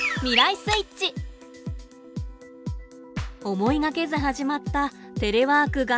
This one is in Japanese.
思いがけず始まったテレワーク元年。